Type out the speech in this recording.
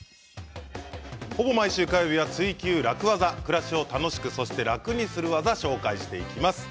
ほぼ毎週火曜日は「ツイＱ楽ワザ」暮らしを楽しくそして楽にする技紹介していきます。